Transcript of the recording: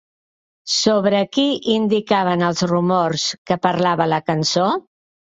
Sobre qui indicaven els rumors que parlava la cançó?